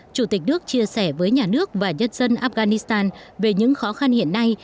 chủ tịch nước chia sẻ với nhà nước và nhân dân afghanistan về những khó khăn hiện nay